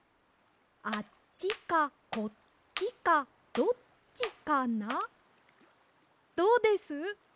あっちかこっちかどっちかな？